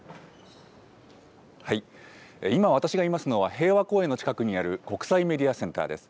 今、私がいますのは、平和公園の近くにある国際メディアセンターです。